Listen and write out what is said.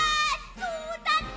そうだった！